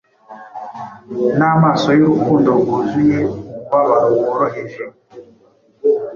n'amaso y'urukundo rwuzuye umubabaro woroheje